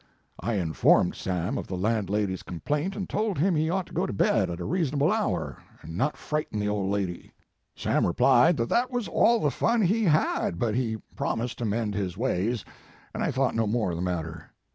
I informed Sarn of the landlady s complaint and told him he ought to go to bed at a reasonable hour and not frighten the old lady. Sam replied that that was all the fun he had, but he promised to rnend his ways and I thought no more of the mat ter.